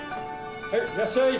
・はいいらっしゃい。